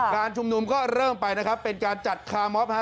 การชุมนุมก็เริ่มไปนะครับเป็นการจัดคาร์มอฟฮะ